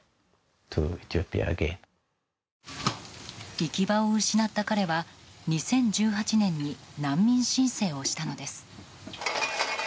行き場を失った彼は２０１８年に難民申請をしたのです。